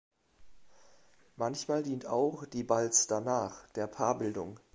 Manchmal dient auch die „Balz danach“ der Paarbildung.